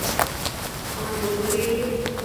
اوهائي ٻولي ڪهڙي هي.